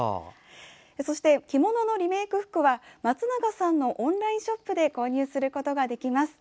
そして着物のリメーク服はまつながさんのオンラインショップで購入することができます。